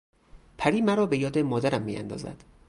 پری مرا به یاد مادرم میاندازد.